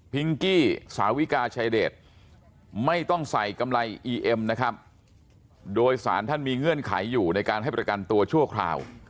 กี้สาวิกาชายเดชไม่ต้องใส่กำไรอีเอ็มนะครับโดยสารท่านมีเงื่อนไขอยู่ในการให้ประกันตัวชั่วคราว